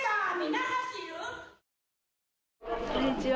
こんにちは。